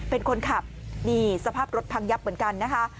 เป็นคนขับนี่สภาพรถพังยับเหมือนกันนะคะ